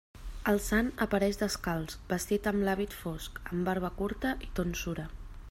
El sant apareix descalç, vestit amb l'hàbit fosc, amb barba curta i tonsura.